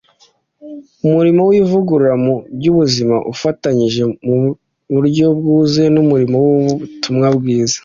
umurimo w'ivugurura mu by'ubuzima, ufatanyije mu buryo bwuzuye n'umurimo w'ubutumwa bwiza